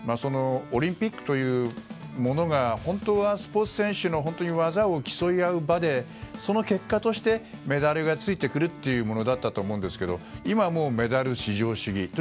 オリンピックというものが本当はスポーツ選手の技を競い合う場でその結果としてメダルがついてくるものだったと思うんですが今、メダル至上主義。